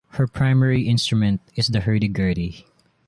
Her primary instrument is the hurdy-gurdy.